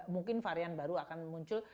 mungkin varian baru akan muncul